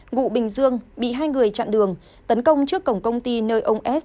ngụ bình dương bị hai người chặn đường tấn công trước cổng công ty nơi ông s